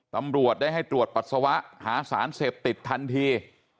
ตำรวจได้ให้ตรวจปัสสาวะหาสารเสพติดทันที